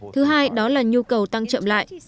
thứ hai đó là nhu cầu tăng chậm lại